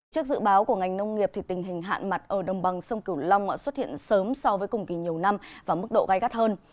trước dự báo của ngành nông nghiệp tình hình hạn mặt ở đồng bằng sông cửu long xuất hiện sớm so với cùng kỳ nhiều năm và mức độ gai gắt hơn